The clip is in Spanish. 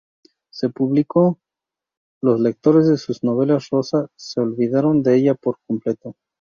Su público, los lectores de sus novelas rosa se olvidaron de ella por completo.